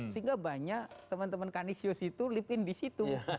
sehingga banyak teman teman kanisius itu lip in di situ